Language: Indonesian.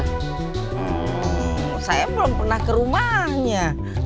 saya belum pernah ke rumahnya